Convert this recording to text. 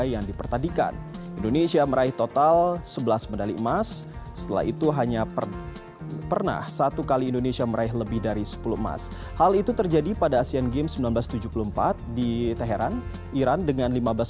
dan diikuti sepuluh negara peserta dan empat belas cabang